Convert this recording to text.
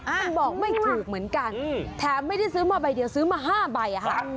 มันบอกไม่ถูกเหมือนกันแถมไม่ได้ซื้อมาใบเดียวซื้อมา๕ใบอะค่ะ